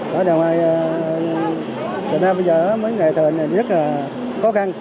tại đó bây giờ mấy nghề chụp hình này rất là khó khăn